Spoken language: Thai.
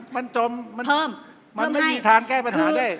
มันจมมันไม่มีทางแก้ปัญหาได้